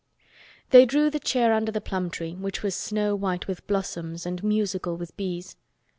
They drew the chair under the plum tree, which was snow white with blossoms and musical with bees.